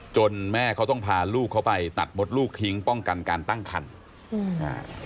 แม่เขาต้องพาลูกเขาไปตัดมดลูกทิ้งป้องกันการตั้งคันอืมอ่า